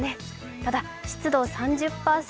ただ、湿度３０％